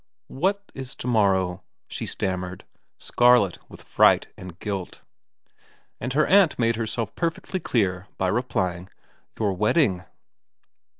' What is to morrow ?' she stammered, scarlet with fright and guilt. And her aunt made herself perfectly clear by replying, ' Your wedding.'